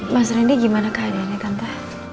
mas rendy gimana kehadirannya kanta